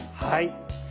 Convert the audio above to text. はい。